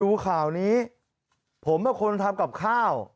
ดูข่าวนี้ผมคนทำกับข้าว